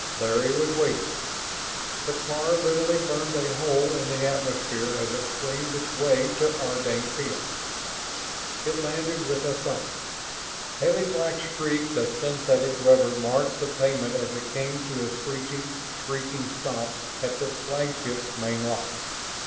Larry was waiting. The car literally burned a hole in the atmosphere as it screamed its way to Ardane Field. It landed with a thump. Heavy black streaks of synthetic rubber marked the pavement as it came to a screeching, shrieking stop at the flagship's main lock.